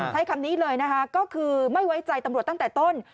ใช้คำนี้เลยนะคะก็คือไม่ไว้ใจตำรวจตั้งแต่ต้น